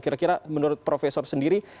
kira kira menurut profesor sendiri